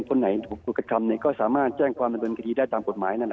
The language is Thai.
คนไหนถูกกระทำก็สามารถแจ้งความดำเนินคดีได้ตามกฎหมายนั่นแหละ